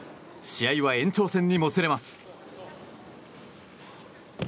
試合は延長戦にもつれます。